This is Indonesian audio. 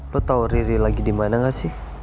lo tau riri lagi dimana gak sih